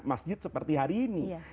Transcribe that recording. masjid seperti hari ini